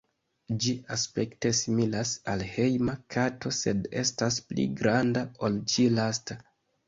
Ĝi aspekte similas al hejma kato, sed estas pli granda ol ĉi-lasta.